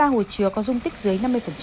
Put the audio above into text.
tám mươi ba hồ chứa có dung tích dưới năm mươi